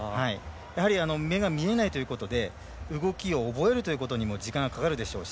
やはり目が見えないということで動きを覚えるということにも時間がかかるでしょうし。